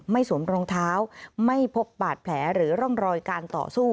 สวมรองเท้าไม่พบบาดแผลหรือร่องรอยการต่อสู้